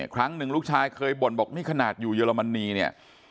ครั้งหนึ่งลูกชายเคยบ่นบอกนี่ขนาดอยู่เยอรมนีเนี่ย